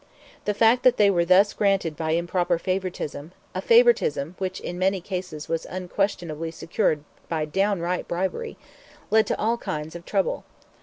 The fact that they were thus granted by improper favoritism, a favoritism which in many cases was unquestionably secured by downright bribery, led to all kinds of trouble.